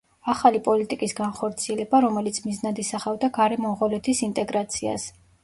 ახალი პოლიტიკის განხორციელება, რომელიც მიზნად ისახავდა გარე მონღოლეთის ინტეგრაციას.